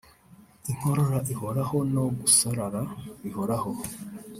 inkorora ihoraho no gusarara bihoraho